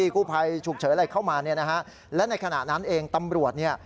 กู้ภัยฉุกเฉินอะไรเข้ามาเนี่ยนะฮะและในขณะนั้นเองตำรวจเนี่ย